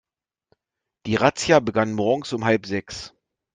Die Razzia begann morgens um halb sechs.